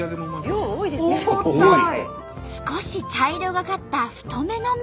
少し茶色がかった太めの麺。